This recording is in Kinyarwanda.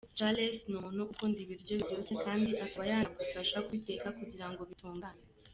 Charles ni umuntu ukunda ibiryo biryoshye kandi akaba yanagufasha kubiteka kugira ngo bitungane.